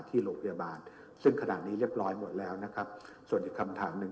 ที่โรงพยาบาลซึ่งขณะนี้เรียบร้อยหมดแล้วนะครับส่วนอีกคำถามหนึ่ง